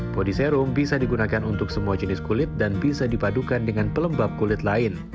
body serum bisa digunakan untuk semua jenis kulit dan bisa dipadukan dengan pelembab kulit lain